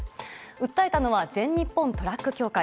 訴えたのは全日本トラック協会。